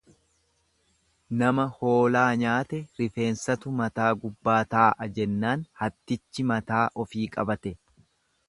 Nama hoolaa nyaate rifeensatu mataa gubbaa taa'a jennaan hattichi mataa ofii qabate.